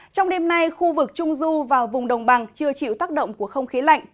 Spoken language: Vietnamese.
trong đêm nay khu vực trung du và vùng đồng bằng chưa chịu tác động của không khí lạnh